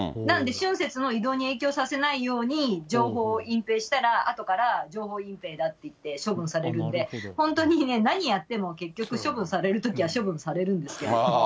なので春節の移動に影響させないように情報を隠蔽したら、あとから情報隠蔽だって言って処分されるんで、本当に何やっても結局、処分されるときは処分されるんですけれど。